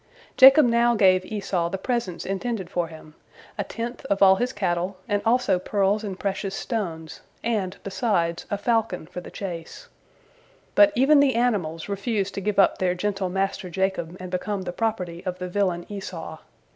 Jacob now gave Esau the presents intended for him, a tenth of all his cattle, and also pearls and precious stones, and, besides, a falcon for the chase. But even the animals refused to give up their gentle master Jacob and become the property of the villain Esau.